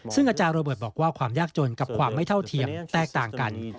ซึ่งอาจารย์โรเบิร์ตบอกว่าความยากจนกับความไม่เท่าเทียมแตกต่างกัน